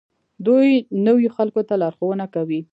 دوی نویو خلکو ته لارښوونه کوي.